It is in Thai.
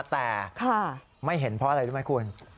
แต่ไม่เห็นเพราะอะไรรู้ไหมคุณ